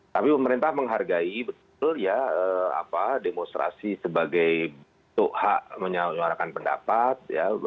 tapi pemerintah menghargai demonstrasi sebagai hak menyuarakan pendapat